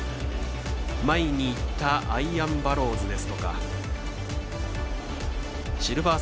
前に行ったアイアンバローズですとかシルヴァー